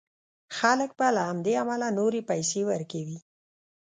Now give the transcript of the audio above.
خلک به له همدې امله نورې پيسې ورکوي.